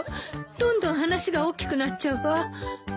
どんどん話が大きくなっちゃうわ。